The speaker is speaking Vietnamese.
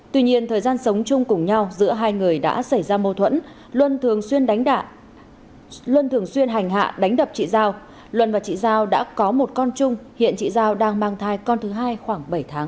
tuy nhiên thời gian sống chung cùng nhau giữa hai người đã xảy ra mâu thuẫn luân thường xuyên đánh luân thường xuyên hành hạ đánh đập chị giao luân và chị giao đã có một con chung hiện chị giao đang mang thai con thứ hai khoảng bảy tháng